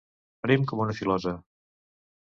Prim com una filosa.